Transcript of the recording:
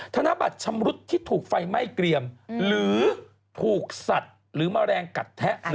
ธนบัตรชำรุดที่ถูกไฟไหม้เกรียมหรือถูกสัตว์หรือแมลงกัดแทะ